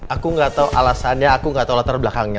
aku gak tau alasannya aku gak tau latar belakangnya